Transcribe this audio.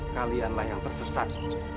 kalianlah yang tersesat